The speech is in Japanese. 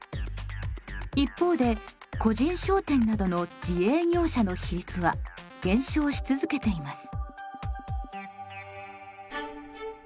一方で個人商店などの自営業者の比率は減少し続けています。